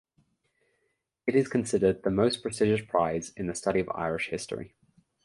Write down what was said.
It is considered the most prestigious prize in the study of Irish history.